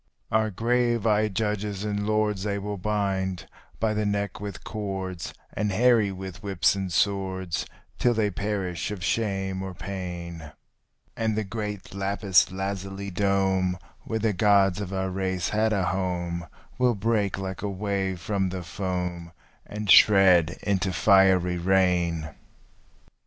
Our grave eyed judges and lords they will bind by the neck with cords, And harry with whips and swords till they perish of shame or pain, And the great lapis lazuli dome where the gods of our race had a home Will break like a wave from the foam, and shred into fiery rain.